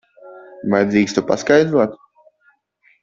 Vai drīkstu paskaidrot?